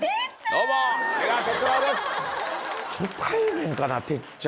どうも出川哲朗です。